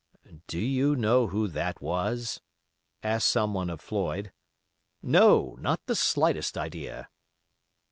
"Do you know who that was?" asked someone of Floyd. "No, not the slightest idea."